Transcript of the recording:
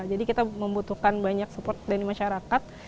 jadi kita membutuhkan banyak support dari masyarakat